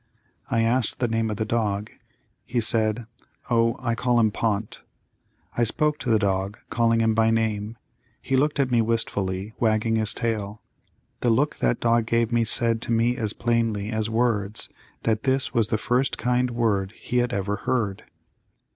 I asked the name of the dog. He said, "Oh, I call him Pont." I spoke to the dog, calling him by name. He looked at me wistfully, wagging his tail. The look that dog gave me said to me as plainly as words that this was the first kind word he had ever heard.